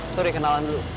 sorry kenalan dulu